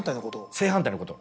正反対のこと。